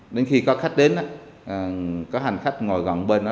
đến khi có khách đến có hành khách ngồi gọn bên đó